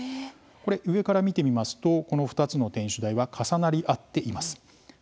上から見てみますと、この２つの天守台は重なり合っています。